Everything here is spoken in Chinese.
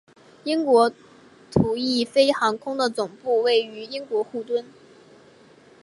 英国途易飞航空的总部位于英国卢顿。